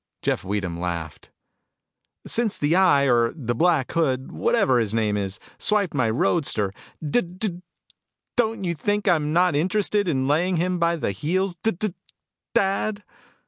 Jeff Weedham laughed. "Since the Eye or the Black Hood, whatever his name is, swiped my roadster, d d don't you think I'm not interested in laying him by the heels, D d dad."